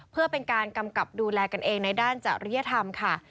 เพื่อเป็นการกำกับดูแลกันเองในด้านจริยธรรมค่ะ